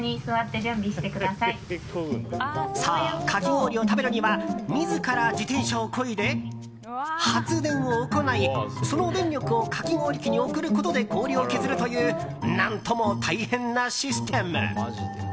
そう、かき氷を食べるには自ら自転車をこいで発電を行いその電力をかき氷器に送ることで氷を削るという何とも大変なシステム。